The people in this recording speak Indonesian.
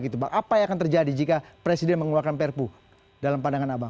apa yang akan terjadi jika presiden mengeluarkan perpu dalam pandangan abang